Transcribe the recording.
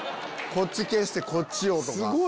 こっち消してこっち！とか。